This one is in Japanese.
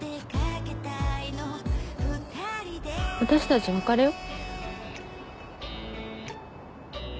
私たち別れよう。